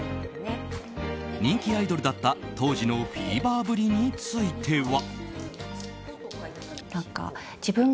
人気アイドルだった当時のフィーバーぶりについては。